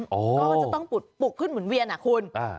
ก็จะต้องปลุกขึ้นหมุนเวียนอ่ะคุณ